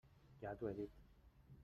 Ja t'ho he dit.